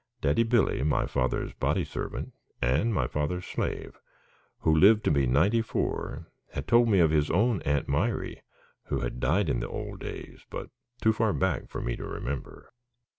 Daddy Billy, my father's body servant and my father's slave, who lived to be ninety four, had told me of his own Aunt Mirey, who had died in the old days, but too far back for me to remember.